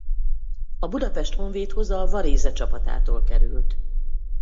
A Budapest Honvédhoz a Varese csapatától került.